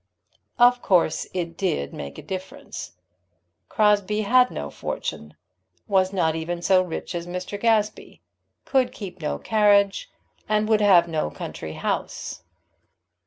Of course it did make a difference. Crosbie had no fortune, was not even so rich as Mr. Gazebee, could keep no carriage, and would have no country house.